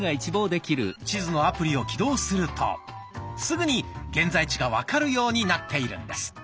地図のアプリを起動するとすぐに現在地が分かるようになっているんです。